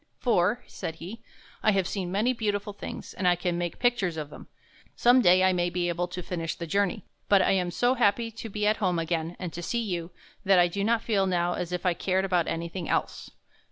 " For," said he, "I have seen many beautiful things, and I can make pictures of 57 THE HUNT FOR THE BEAUTIFUL them. Some day I may be able to finish the journey. But I am so happy to be at home again and to see you, that I do not feel now as if I cared about any thing else."